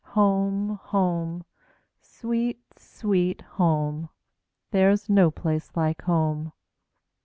home! sweet, sweet home! There 's no place like home!